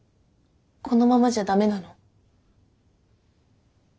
このままじゃダメなの？